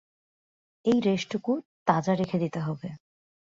এই রেশটুকুকে তাজা রেখে দিতে হবে।